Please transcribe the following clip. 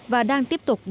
và đang tiếp tục điều trị